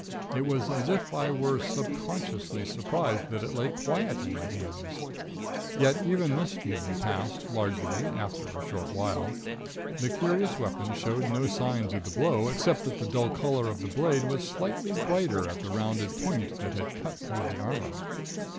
It was as if I were subconsciously surprised that it lay quiet in my hands. Yet even this feeling passed, largely, after a short while. The curious weapon showed no signs of the blow, except that the dull color of the blade was slightly brighter on the rounded point that had cut through the armor.